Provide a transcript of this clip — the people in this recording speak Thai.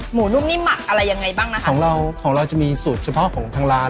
นุ่มนิ่มหมักอะไรยังไงบ้างนะคะของเราของเราจะมีสูตรเฉพาะของทางร้าน